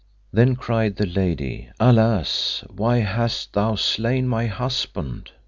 Then cried the lady, Alas! why hast thou slain my husband?